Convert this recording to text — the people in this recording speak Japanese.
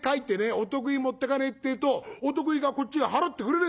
お得意持ってかねえってえとお得意がこっちへ払ってくれねえんだよ。